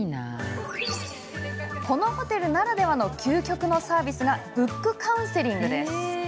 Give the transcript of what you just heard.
このホテルならではの究極のサービスがブックカウンセリング。